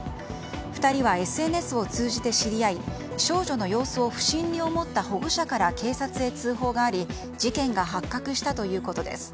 ２人はＳＮＳを通じて知り合い少女の様子を不審に思った保護者から警察へ通報があり事件が発覚したということです。